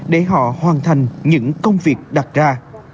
để họ hoàn thành những công việc đặt ra